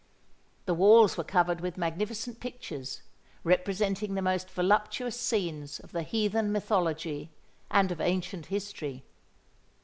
The walls were covered with magnificent pictures, representing the most voluptuous scenes of the heathen mythology and of ancient history.